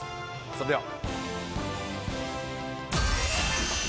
それでは。